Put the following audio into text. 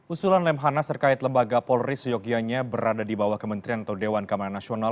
usulan lemhanas terkait lembaga polri seyogianya berada di bawah kementerian atau dewan keamanan nasional